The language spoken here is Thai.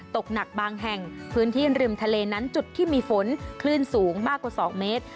ตกหนักบางแห่งพื้นที่ริมทะเลนั้นจุดที่มีฝนคลื่นสูงมากกว่า๒เมตร